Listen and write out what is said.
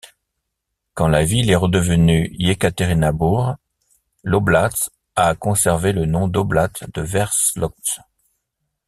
Quand la ville est redevenue Iekaterinbourg, l'oblast a conservé le nom d'oblast de Sverdlovsk.